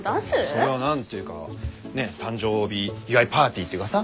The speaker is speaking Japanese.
それは何ていうかねえ誕生日祝いパーティーっていうかさ。